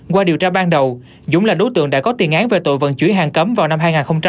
qua điều tra ban đầu dũng là đối tượng đã có tiền án về tội vận chuyển hàng cấm vào năm hai nghìn một mươi